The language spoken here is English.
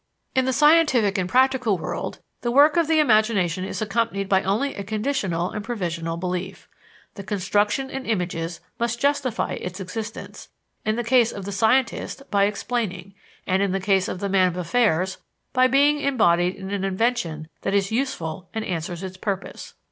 In the scientific and practical world, the work of the imagination is accompanied by only a conditional and provisional belief. The construction in images must justify its existence, in the case of the scientist, by explaining; and in the case of the man of affairs, by being embodied in an invention that is useful and answers its purpose.